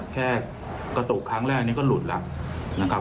แค่กระตุกครั้งแรกนี้ก็หลุดแล้วนะครับ